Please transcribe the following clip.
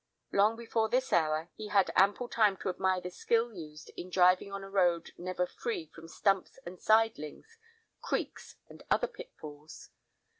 Long before this hour he had ample time to admire the skill used in driving on a road never free from stumps and sidelings, creeks, and other pitfalls.